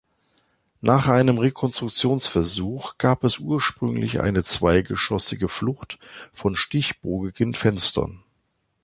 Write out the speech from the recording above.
Nach einem Rekonstruktionsversuch gab es ursprünglich eine zweigeschossige Flucht von stichbogigen Fenstern.